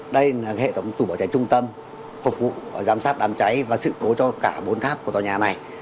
đây là hệ thống tủ bảo cháy trung tâm phục vụ giám sát đám cháy và sự cố cho cả bốn tháp của tòa nhà này